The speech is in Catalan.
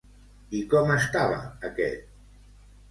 I com estava aquest?